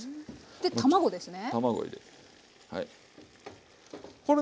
で卵ですね。